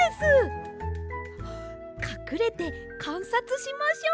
かくれてかんさつしましょう。